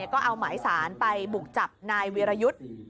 ก็เอาหมายสารไปบุกจับนายวีรยุทธ์